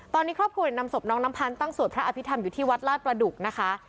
ตอนนี้ครอบครัวนำศพน้องน้ำพันธ์ตั้งสวดพระอภิษฐรรมอยู่ที่วัดลาดประดุกนะคะ